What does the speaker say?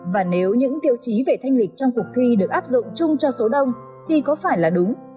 và nếu những tiêu chí về thanh lịch trong cuộc thi được áp dụng chung cho số đông thì có phải là đúng